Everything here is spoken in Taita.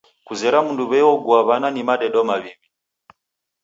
Kezera mundu w'ei ogua w'ana ni madedo maw'iwi.